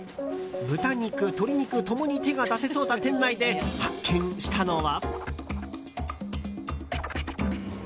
豚肉、鶏肉共に手が出せそうな店内で発見したのは。